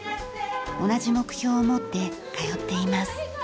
同じ目標を持って通っています。